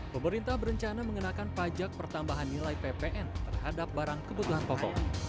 pemerintah berencana mengenakan pajak pertambahan nilai ppn terhadap barang kebutuhan pokok